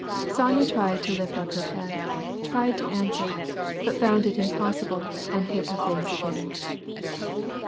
Sonya tried to lift up her head, tried to answer, bnt found it impossible and hid her face again.